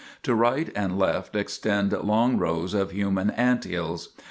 To right and left extend long rows of human ant hills.